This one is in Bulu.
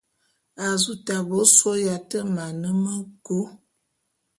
A zu tabe ôsôé yat e mane me nku.